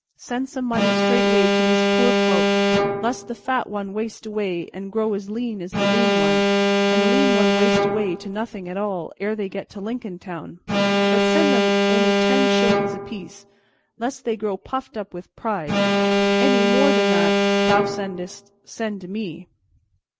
Send some money straightway to these poor folk, lest the fat one waste away and grow as lean as the lean one, and the lean one waste away to nothing at all, ere they get to Lincoln Town; but send them only ten shillings apiece, lest they grow puffed up with pride, Any more than that that thou sendest, send to me.